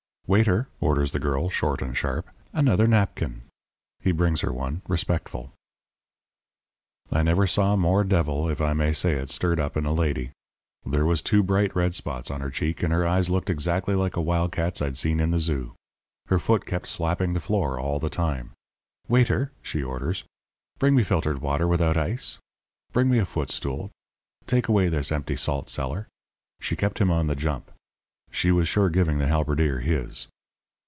"'Waiter,' orders the girl, short and sharp, 'another napkin.' He brings her one, respectful. "I never saw more devil, if I may say it, stirred up in a lady. There was two bright red spots on her cheeks, and her eyes looked exactly like a wildcat's I'd seen in the zoo. Her foot kept slapping the floor all the time. "'Waiter,' she orders, 'bring me filtered water without ice. Bring me a footstool. Take away this empty salt cellar.' She kept him on the jump. She was sure giving the halberdier his.